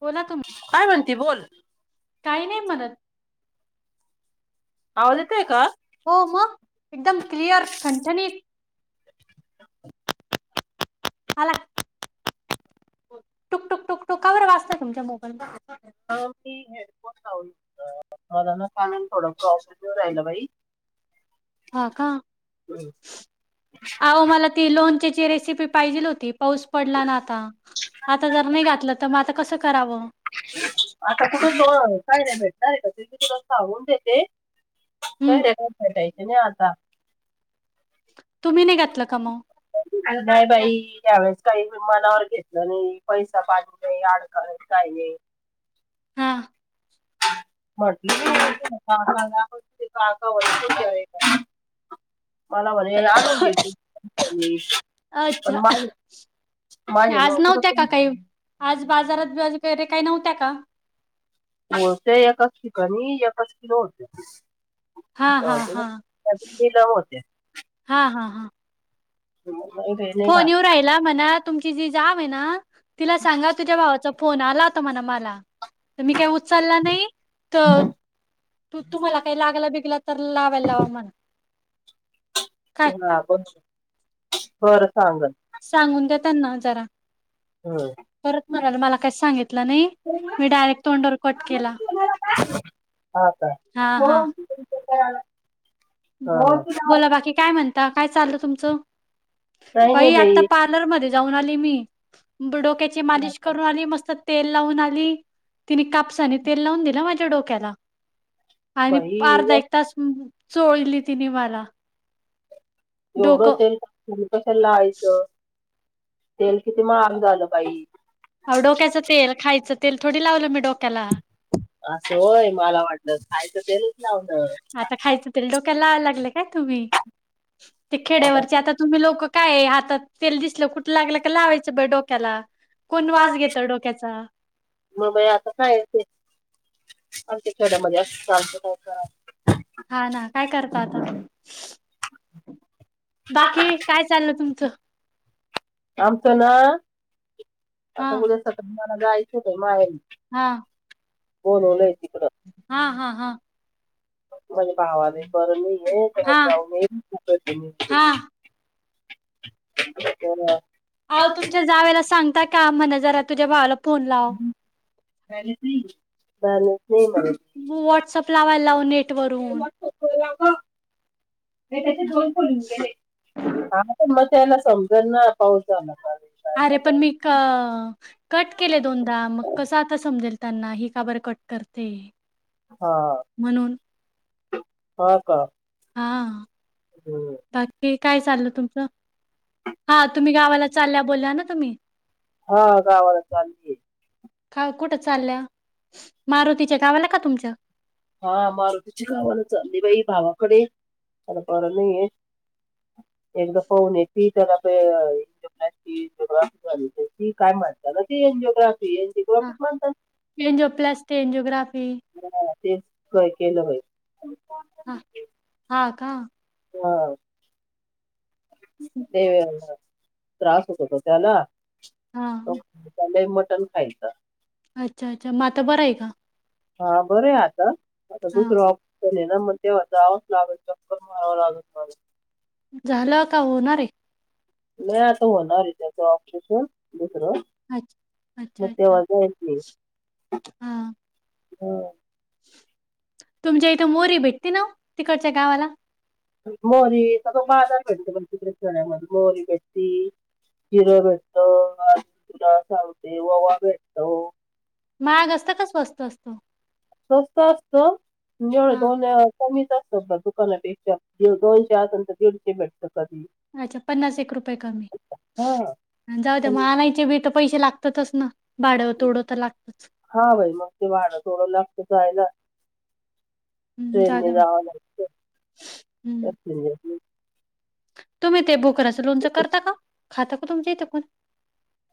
बोला तुम्ही काय म्हणती बोल? काही नाही म्हणत हो, मग एकदम क्लिअर ठणठणीत मला टुक टुक टुक टुकावर वाजतयं तुमच्या मोबाईल मध्ये अ मी [unintelligible] थोडा प्रॉब्लेम येवून राहिला बाई! हा का, आवो मला ती लोणचेची रेसिपी पाहिजेल होती. पाऊस पडला ना आता आता जर नाही घातलं, तर मग आता कसं करावं आता कुठं दो कैऱ्या भेटणार हाय का? देते तुला सांगून देते, हम्म कैऱ्या काय भेटायचे नाही आता. तुम्ही नाही घातलं का मग? नाही बाई, ह्यावेळेस काही मनावर घेतलं नाही, पैसा पाणी नाही अडका नाही काही नाही. हा. [unintelligible] म्हटलं [unintelligible] जायेगा. मला म्हणे आणून घेते पण अच्छा मा.. आज नव्हत्या का काही आज बाजारात वगैरे काही नव्हत्या का. होते एच चिकनी एच किलो होते.. हा हा हा होते. हा हा हा नाही रे, नाही फोन येऊ राहिला म्हणा तुमची जी जाव आहे ना.. तिला सांगा तुझ्या भावाचा फोन आला होता म्हणा मला. तर मी काही उचलला नाही तर.. का? त तुम्हाला काही लागयला बिगला तर लावायला लावा म्हणा.. काय हा ब बरं सांग.. सांगून द्या त्यांना जरा हम. परत मणा मला काही सांगितलं नाही मी डायरेक्ट तोंडर कट केला. एक. हा का हो. बोला बाकी काय म्हणता काय चाललं तुमचं.. काही नाही बाई आता पार्लर मध्ये जाऊन आली, मी. डोक्याची मालिश करून आली मस्त तेल लावून आली, तिने कापसाने तेल लावून दिला माझ्या डोक्याला. आणि बाई अर्धा एक-तास चोळली तिने मला. एवढं डोकं तेल त कशाला लाहायचं. तेल किती म आंद झालं बाई.. हो डोक्याचं तेल खायच ते थोडी लावलं मी डक.. असं होय मला वाटलं खायचं तेल.. आता खायचं ते डोक्याला लाव लाग.. काय तुम्ही ते खेड्यावरचे आता तुम्ही लोक काय हातात तेल दिसलं कुठ.. लागलं का लावायचं बय डोक्याला कोण वास घेत डोक्याचा.. मगबाई आता काय येत.. अ ते खेड्यामध्येध्ये असं चालतं.. काय करायचं हा ना काय करत आता.. बाकी काय चाललं तुमचं. आमचं ना हा आता उद्या मला जायचं होत माहे. हा तिकडं हा हा हा. माझे भावाने बर म आहे हा जाऊ.. हा तुमच्या जावेला सांगता का म्हण जरा तुझ्या भावाला.. फोन ला बॅलन्स नाही म्हणत वटसप लावाय ला.. वरून. त्या हा पण मग त्याला समज ना पाऊसला. अरे पण मी क कट केले दोनदा मग कसं आता समजेल त्यांना ही काबर कट करते. हा. म्हणून. हा का. हा हम्म. बाकी काय चाललं तुमचं. हा तुम्ही गावाला चालल्या बोलला ना तुम्ही. हा गावाला चाललीय. का कुठं चालल्या मारुतीच्या गावाला का तुमच्या. हा मर तुझ खावान ली बाई भाव. कडे त्याला बर नाहीय एकदा फाऊन ती त्याला.. एजि्राफजिओग्राफी झाली ती काय म्हणतात एंजिओग्राफ.. हा प्लस टेन जग्राफी. तेचय केलं होय. ह हा का. हा. ते त्रास होतोता त्याला. हा तो [unintelligible] लई मटण खायचं. अच्छा अच्छा, मताा बरं आहे क हा बरे आता, आता दुसरं ऑप्शन आहे ना मग तेव्हा जावंच लागेल चक्कर मारवं लागेल [unintelligible] झालं का होणारे? नाही आता होणार ये त्याचं [unintelligible] अच् मग अच्छा अच्छा तेव्हा जायचे हा. हो. तुमच्या इथं मोरी भेटते ना, तिकडच्या गावाला? मोरी तर बाजार भेटते, पण तिकडे खेड्यामध्ये मोरी भेटती. हिर भेटतं आणि तुला सांगते ववा भेटतो. माग असतं का स्वस्त असतो? स्वस्त असतं हा [unintelligible] कमीच असत दुकानापेक्षा दोनशे आतंतर दीडशे भेटत.. अच्छा पन्नास एक रुपये कमी हा आणि जाऊ त्या मग पण- आणायचे बी तर पैसे लागत. ततच ना. भाडं तोडं तर लागतच. हा भाई मग ते भाडं थोडं लगत जायला. हम्म जाऊ ट्रेनने द्या मग जावा लागते. हम्म. तुम्ही ते बोकडाचं लोनचं करता का? खातं का तुमच्या इथे कोण?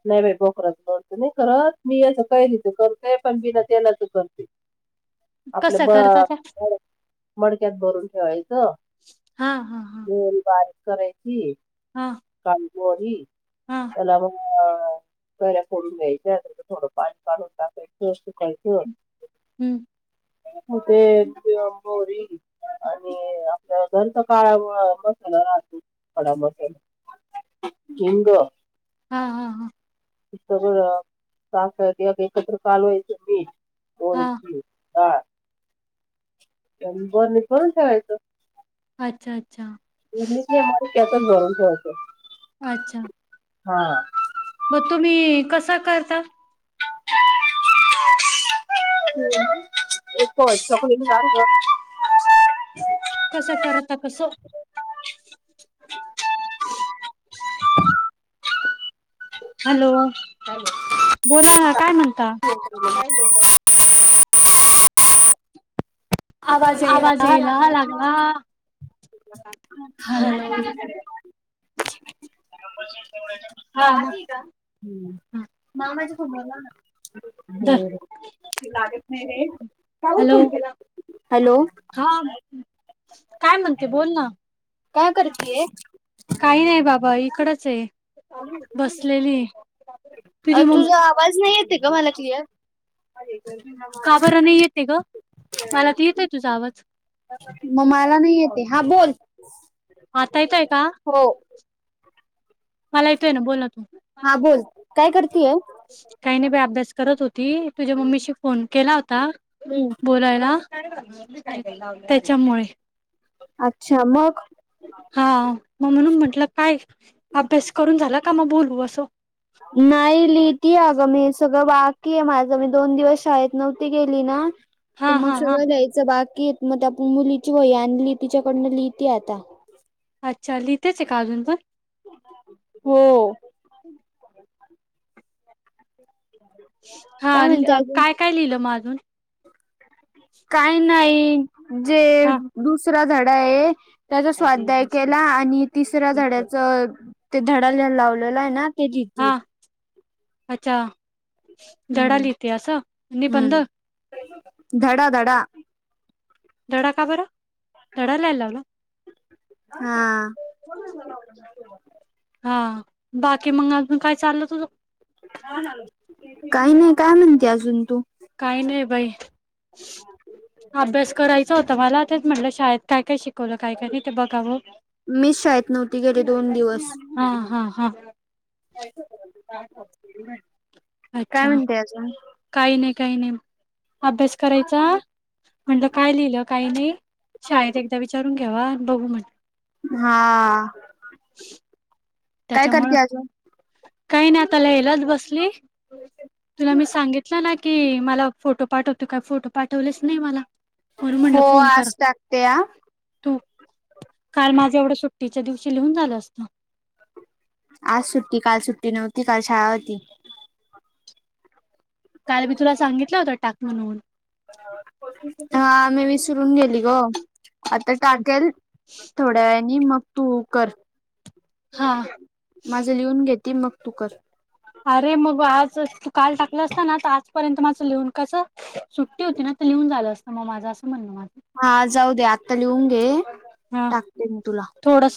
नाही बाई, बोकराचं तर नाही करत, मी याचं कैरीचं करते पण बीना तेलाचं करते. आपलं कसं ब करता त्या? मड मडक्यात भरून ठेवायचं. हा हा हा. मल बारीक करायची हा काणकोरी हा. त्याला मग अ घऱ्या फोडून घ्यायच्या थोडं पाणी टाकून पेस्ट करायचं. हम्म. तिळ किंवा मोहरी आणि आपल्या घरच काळा मोळा कोळसा [unintelligible] हिंग हा हा हा. सगळं साखर तेल मीठ एकत्र कालवायचं पीठ. व्हय हा की ह आणि बरणीत भरून ठेवायचं. अच्छा अच्छा. इडली करणार त्यातच भरून ठेवायचं. अच्छा. हा. म तुम्ही कसं करता? [unintelligible] कसं करत कसं? [unintelligible] हॅलो बोला ना काय म्हणता? [inaudible] आवाज याला ह लागला. खा ना हॅलो ये. [inaudible] हा हा मामाच्या [unintelligible] धर झालं, लागत नाही रे. हॅलो [unintelligible] हॅलो हा काय काय म्हणताय म्हणते बोल ना काय करतीये? काही नाही बाबा इकडंच आहे. बसलेली. तुझी मम्मी तुझा आवाज येते का मला नाही. क्लिअर का बरं? नाही येते का? मला तर येतय तुझा आवाज, म मला हा बोल. आता येतोय का? हो. मला येतोय ना, बोल तू बोल आता. हा बोल काय करतीस? काही नाही अभ्यास करत होती, तुझ्या मम्मीशी फोन केला होता बोलायला. त्याच्यामुळे. अच्छा मग हा मग म्हणून म्हटलं काय. अभ्यास करून झाला का मग बोलू असं. नाही लिहते अगं मी, सगळं बाकी आहे माझं, मी दोन दिवस शाळेत नव्हती गेली ना, तर हा मग हा हा सगळं घ्यायचं बाकी मग त्या मुलीची वई आनली तिच्याकडनं लिहीती आता. अच्छा लिहतेच आहे का, अजून पण. हो. काय म्हणते हा अजून काय-काय लिहिलं मग अजून. काही नाही जे हा दुसरा धडा आहे. त्याचा स्वाद्याय केला आणि तिसऱ्या धड्याचं, ते धडा लावलेला आहे ना. ते हा लिहितीये. अच्छा. धडा हम्म लिहिते असं, निबंध हम्म धडा धडा धडा का बरं, धडा लिहायला लावला. हा. चाल तुझ काही नाही काय म्हणते अजून तू. काही नाही बाई, अभ्यास करायचा होता मला तेच म्हटल. शाळेत काय-काय शिकवलं काय-काय नाही ते बघावं. मी शाळेत नव्हती गेले, दोन दिवस. [unintelligible] हा हा हा काय अच्छा म्हणते अजून? काही नाही काही नाही, अभ्यास करायचा म्हनलं काय लिहिलं काही नाही, शाळेत एकदा विचारून घ्यावा बघू म्हणलं हा, काय त्याच्यामुळं करते अजून? काही नाही, आता लिहायलाचं बसली. तुला मी सांगितलं ना की, मला फोटो पाठवतो काय फोटो पाठवलेच नाही मला, [unintelligible] म्हणून हो म्हटलं फोन कर आज टाकते हा तू. काल माझं एवढं सुट्टीच्या दिवशी लिहून झालं असत. आज सुट्टी काल सुट्टी नव्हती, काल शाळा होती. काल मी तुला सांगितलं होतं, टाक म्हणून. हा, मी विसरून गेली गं. आत्ति टाकेल, थोड्या वेळानी मग तू कर. हा माझं लिहून घेती, मग तू कर. अरे, मग आज तू काल टाकलं असता ना, आजपर्यंत माझं लिहूण कसं सुट्टी होती ना लिहून झालं असत, मग माझं. असं म्हणणं माझं हा, जाऊ दे आत्ता लिहून घे हा टाकते, मी तुला थोडस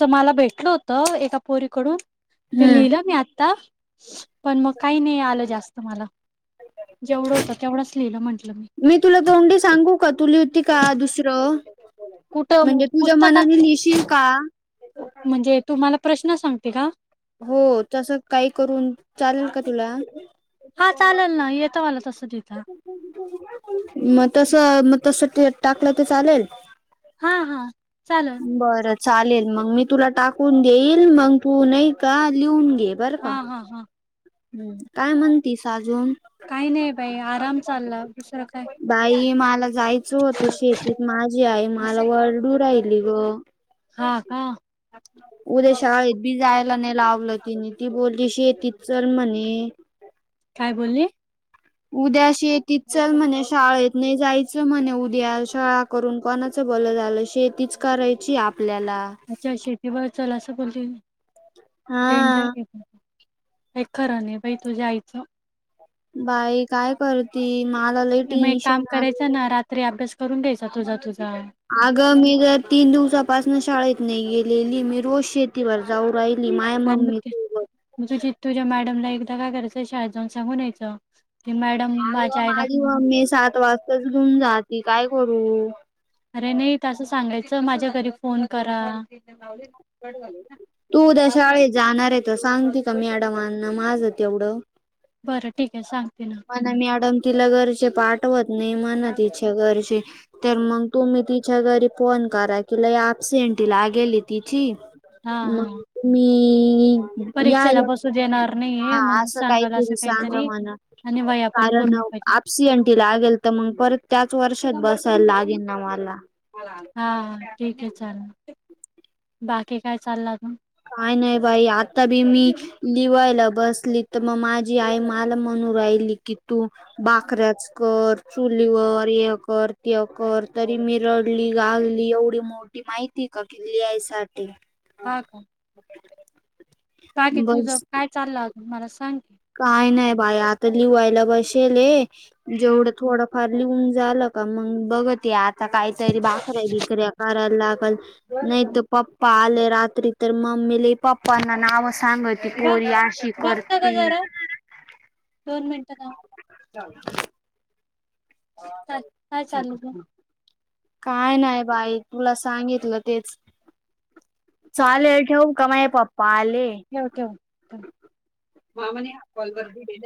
अ एका पोरीकडून ते लिहिलं मी आता, पण मग काही नाही आलं जास्त मला. जेवढं होत तेवढंच लिहिलं म्हण मी तुला तोंडी सांगू का? तु लिहीती का दुसरं. कुठं म्हणजे तुझ्या मनाने पुस्तकात? लिहिशील का म्हणजे तुम्हाला प्रश्न सांगते का? हो तस काही करून चालेल का तुला? हां चालल ना येतो मला तसं देता मग तस मग तस टाकलं ते चालेल? हा हा चालेल बरं चालेल. मग मी तुला टाकून देईल मग तू नाही का लिहून घे बर का. हा हा हा काय म्हणतीस अजून काही नाही बाई आराम चालला दुसरं काय बाई मला जायचं होत शेतीत माझी आई मला वरडू राहिली ग. हा का. उद्या शाळेत बी जायला नाही लावलं तिने ती बोलली शेतीत चल म्हणे हे काय बोलली? उद्या शेतीत चल म्हणे शाळेत नाही जायचं म्हणे उद्या शाळा करून कोण च भल झालं शेतीच करायची आपल्याला. अच्छा शेतीवर चल असं डेंजर हा एक खरं नाही बाई तुझ्या आईचं. बाई काय करती मला लई मग एक टेन्शन काम आलं. करायच ना रात्री अभ्यास करून द्यायचा तुझा तुझा. आगं मी तर तीन दिवसापासन शाळेत नाही गेली मी रोज शेती कड जाऊ राहिली माय आणि मग मम्मी ते मग सोबत. तुझी तुझ्या मॅडमला एकदा काय करायचं शाळेत जाऊन सांगून यायचं. की मॅडम आग माझ्या आईला माझी मम्मी मी सात वाजताच घेऊन जाती काय करू? अरे नाही तसं सांगायचं माझ्या घरी फोन करा. तू उद्या शाळेत जाणार आहे तर सांगते का मॅडमांना माझं तेवढं. बरं ठीक आहे सांगते ना म्हणा मॅडम तिला घरचे पाठवत नाही म्हणा तिच्या घरचे तर मग तुम्ही तिच्या घरी फोन करा कि लई अपसेंट लागेली तिची? हा मग हा मी या परीक्षेला बसू देणार नाहीये हा म्हणून असं सांगाल असं काहीतरी सांग. सांग काहीतरी म्हणा आणि वया पण कारण पूर्ण पाहिजे आपसेंटी लागेल तर मग परत त्याच वर्षात बसायला लागेल ना मला. छान. बाकी काय नाही बाई आता बी मी लिवायला बसली. तर मग माझी आई मला म्हणून राहिली कि तू भाकऱ्याच कर, चुलीवर य कर, ते कर तरी मी रडली, गागली एवढी मोठी माहिती का किल्ली आहे हा का. बाकी तुझ बस काय चालला आता मला सांग की? काय नाही बाई आता लिवायला बसेल आहे हा जेवढं थोडंफार लिहून झालं का मग बघ ते आ आता काहीतरी भाकऱ्या-बिकऱ्या करायला लागल नाही त पप्पा आले रात्री तर मम्मी लय-पप्पांना नाव सांगती बघ पोरी अशी बघत ग करतील जरा दोन मिनिटं काय काय चालू होत. काय नाही बाई तुला सांगितलं तेच चालेल ठेवु काय माझे पप्पा आले. ठेव. [unintelligible]